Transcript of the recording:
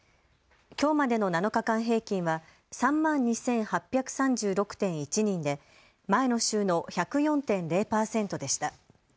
きょうまでの７日間平均は３万２８３６．１人で前の週の１０４．０％でした。